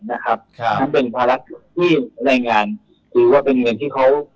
นั่นเป็นภาระจุดที่รายงานคือว่าเป็นเงินที่เขา